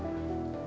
aku bisa sembuh